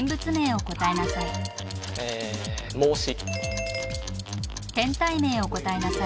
え孟子。